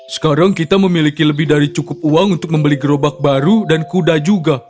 sekarang kita memiliki lebih dari cukup uang untuk membeli gerobak baru dan kuda juga